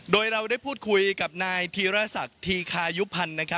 โดยเราได้พูดคุยกับนายธีรศักดิ์ธีคายุพันธ์